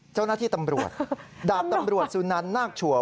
เจ้าหน้าที่ตำรวจดาบตำรวจสุนันนาคชัวร์